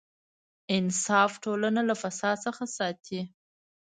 انصاف ټولنه له فساد څخه ساتي.